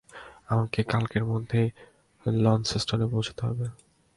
আমাকে কালকের মধ্যেই লন্সেস্টনে পৌছাতে হবে।